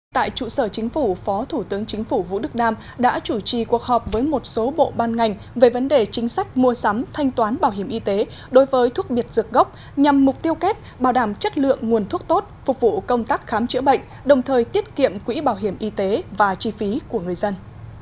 tại trụ sở chính phủ phó thủ tướng chính phủ vũ đức đam đã chủ trì cuộc họp với một số bộ ban ngành về vấn đề chính sách mua sắm thanh toán bảo hiểm y tế đối với thuốc biệt dược gốc nhằm mục tiêu kép bảo đảm chất lượng nguồn thuốc tốt phục vụ công tác khám chữa bệnh đồng thời tiết kiệm quỹ bảo hiểm y tế và chi phí của người dân